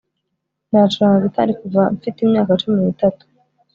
nacuranga gitari kuva mfite imyaka cumi n'itatu